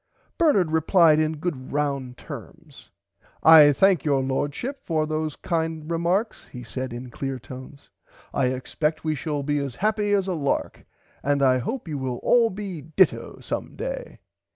Bernard replied in good round terms. I thank your lordship for those kind remarks he said in clear tones I expect we shall be as happy as a lark and I hope you will all be ditto some day.